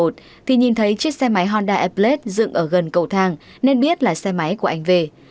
thì nhìn thấy chiếc xe máy honda e plate dựng ở gần cầu thang nên biết là xe máy của anh v v h